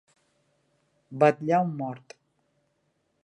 Vetllar un mort.